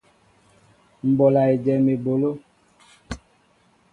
M ɓola éjem eɓoló.